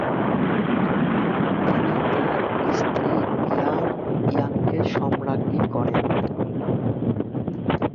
তিনি তার স্ত্রী ইয়াং ইয়ানকে সম্রাজ্ঞী করেন।